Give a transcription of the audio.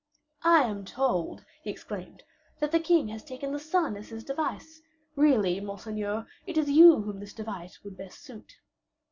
"I am told," he exclaimed, "that the king has taken the sun as his device; really, monseigneur, it is you whom this device would best suit."